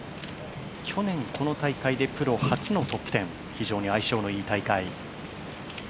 去年、この大会でプロ初のトップ１０非常に相性のいい大会。